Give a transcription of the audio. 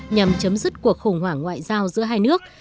nhằm chấm dứt cuộc khủng hoảng ngoại giao giữa hai nước